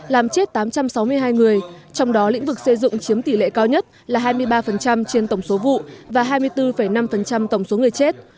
làm chết tám trăm sáu mươi hai người trong đó lĩnh vực xây dựng chiếm tỷ lệ cao nhất là hai mươi ba trên tổng số vụ và hai mươi bốn năm tổng số người chết